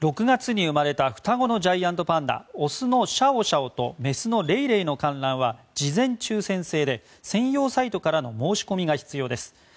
６月に生まれた双子のジャイアントパンダオスのシャオシャオとメスのレイレイの観覧は事前抽選制で専用サイトからの申し込みが必要です。